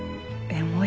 エモい？